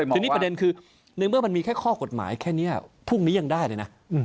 ทีนี้ประเด็นคือในเมื่อมันมีแค่ข้อกฎหมายแค่นี้พรุ่งนี้ยังได้เลยนะ